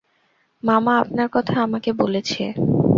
মামা আপনার কথা আমাকে বলেছে।